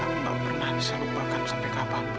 aku tak pernah bisa lupakan sampai keapapun